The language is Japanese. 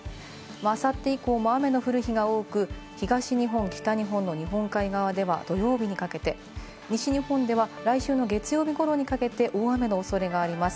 あさって以降も雨の降る日が多く、東日本、北日本の日本海側では土曜日にかけて西日本では来週の月曜日頃にかけて大雨のおそれがあります。